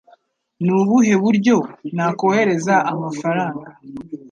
Ni ubuhe buryo nakohereza amafaranga